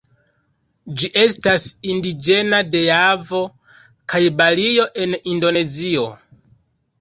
Ĝi estas indiĝena de Javo kaj Balio en Indonezio.